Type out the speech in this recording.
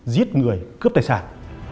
giết người cướp tài sản